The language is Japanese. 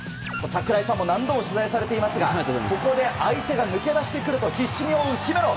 櫻井さんも何度も取材されていますがここで相手が抜け出してくると必死に追う姫野。